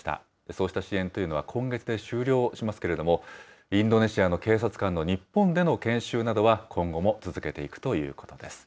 そうした支援というのは今月で終了しますけれども、インドネシアの警察官の日本での研修などは、今後も続けていくということです。